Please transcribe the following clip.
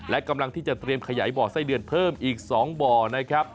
และกำลังที่จะเตรียมขยายบ่อไส้เดือนเพิ่มอีก๒บ่อนะครับ